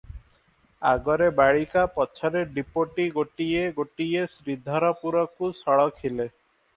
ଆଗରେ ବାଳିକା, ପଛରେ ଡିପୋଟି ଗୋଟିଏ ଗୋଟିଏ ଶ୍ରୀଧରପୁରକୁ ସଳଖିଲେ ।